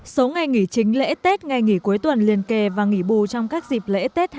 số ngày nghỉ chính lễ tết ngày nghỉ cuối tuần liên kề và nghỉ bù trong các dịp lễ tết hai nghìn hai mươi